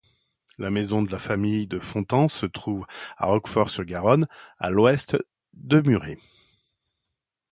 La maison de famille de Fontan se trouve à Roquefort-sur-Garonne à l’ouest de Muret.